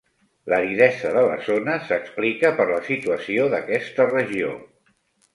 L'aridesa de la zona s'explica per la situació d'aquesta regió.